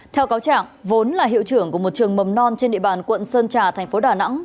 theo cáo trạng vốn là hiệu trưởng của một trường mầm non trên địa bàn quận sơn trà thành phố đà nẵng